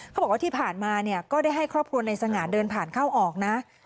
เขาบอกว่าที่ผ่านมาเนี่ยก็ได้ให้ครอบครัวในสง่านเดินผ่านเข้าออกนะ